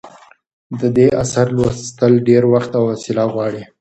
د دې اثر لوستل ډېر وخت او حوصله غواړي.